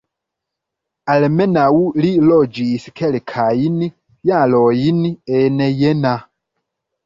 Almenaŭ li loĝis kelkajn jarojn en Jena.